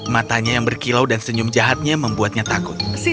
matanya yang berkilau dan senyum jahatnya membuatnya takut